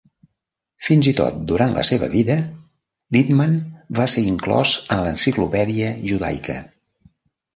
Fins i tot durant la seva vida, Littmann va ser inclòs en l'Enciclopèdia Judaica.